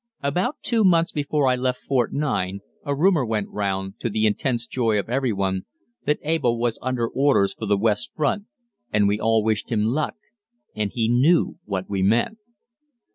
About two months before I left Fort 9 a rumor went round, to the intense joy of every one, that Abel was under orders for the West Front, and we all wished him luck, and he knew what we meant.